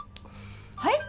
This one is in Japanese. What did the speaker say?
はい？